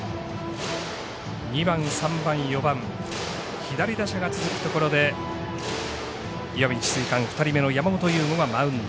２番、３番、４番左打者が続くところで石見智翠館２人目の山本由吾がマウンド。